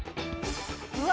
うわ